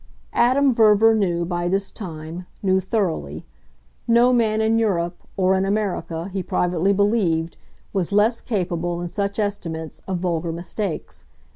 Adam Verver knew, by this time, knew thoroughly; no man in Europe or in America, he privately believed, was less capable, in such estimates, of vulgar mistakes.